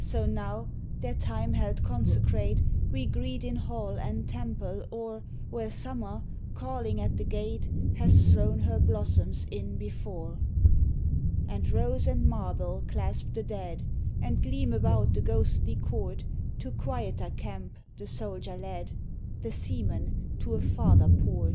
So now their time held consecrate We greet in hall and temple, or Where Summer, calling at the gate, Has thrown her blossoms in before. And rose and marble clasp the dead, And gleam about the ghostly court, To quieter camp the soldier led, The seaman to a farther port.